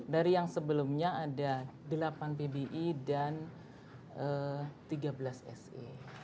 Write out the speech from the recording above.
dari yang sebelumnya ada delapan pbi dan tiga belas se